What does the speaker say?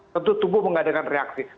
tentu tubuh mengadakan reaksi